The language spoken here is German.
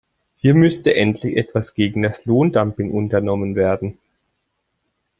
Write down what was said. Hier müsste endlich etwas gegen das Lohndumping unternommen werden.